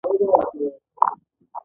دا کتاب روح ته حرکت ورکوي.